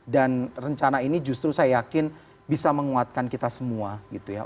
dan rencana ini justru saya yakin bisa menguatkan kita semua gitu ya